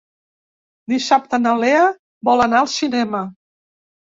Dissabte na Lea vol anar al cinema.